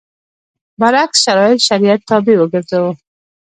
برعکس شرایط شریعت تابع وګرځوو.